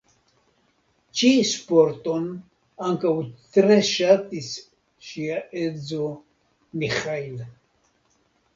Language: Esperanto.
Ĉi-sporton ankaŭ tre ŝatis ŝia edzo Miĥail.